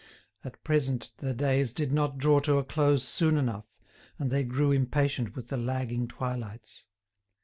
At present the days did not draw to a close soon enough, and they grew impatient with the lagging twilights.